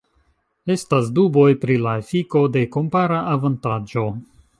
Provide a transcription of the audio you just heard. Estas duboj pri la efiko de kompara avantaĝo.